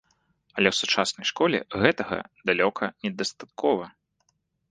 Але ў сучаснай школе гэтага далёка недастаткова.